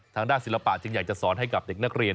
ทางด้านศิลปะจึงอยากจะสอนให้กับเด็กนักเรียน